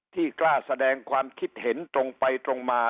กล้าแสดงความคิดเห็นตรงไปตรงมา